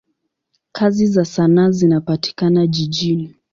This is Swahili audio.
Kazi za sanaa zinapatikana jijini.